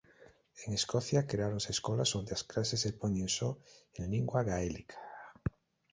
En Escocia creáronse escolas onde as clases se poñen só en lingua gaélica.